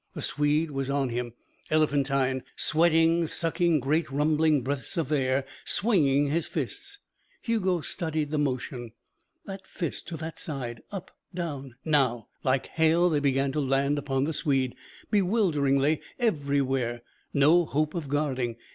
The Swede was on him, elephantine, sweating, sucking great, rumbling breaths of air, swinging his fists. Hugo studied the motion. That fist to that side, up, down, now! Like hail they began to land upon the Swede. Bewilderingly, everywhere. No hope of guarding.